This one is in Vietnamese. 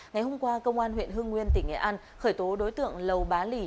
ngày hôm qua công an huyện hương nguyên tỉnh nghệ an khởi tố đối tượng lầu bá lì